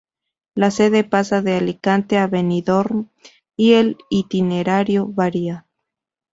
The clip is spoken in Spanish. La sede pasa de Alicante a Benidorm y el itinerario varia.